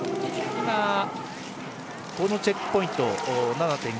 チェックポイント